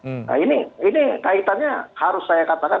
nah ini kaitannya harus saya katakan